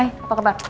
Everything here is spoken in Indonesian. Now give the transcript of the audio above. hai apa kabar